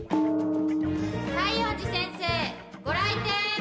西園寺先生ご来店！